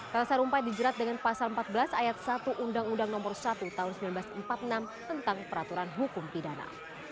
ratna sarumpait dijerat dengan pasal empat belas ayat satu undang undang nomor satu tahun seribu sembilan ratus empat puluh enam tentang peraturan hukum pidana